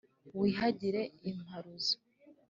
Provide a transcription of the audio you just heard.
wihagire imparuzo,